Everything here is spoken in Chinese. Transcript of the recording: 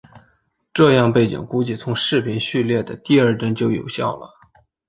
这样背景估计从视频序列的第二帧就有效了。